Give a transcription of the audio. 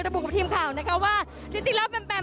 ระบุกับทีมข่าวนะคะว่าที่สิ่งแล้วแปมแปม